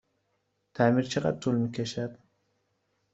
تعمیر چقدر طول می کشد؟